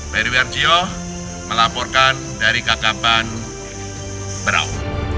beri wajar melaporkan dari kakaban berau